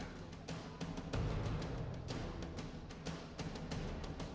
saat itu presiden mengatakan masih mengkalkulasi apakah akan mengeluarkan perbu atau tidak